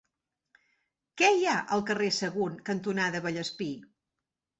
Què hi ha al carrer Sagunt cantonada Vallespir?